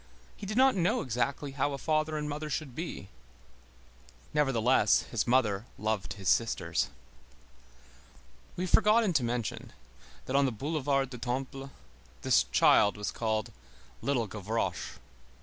He did not know exactly how a father and mother should be. Nevertheless, his mother loved his sisters. We have forgotten to mention, that on the Boulevard du Temple this child was called Little Gavroche.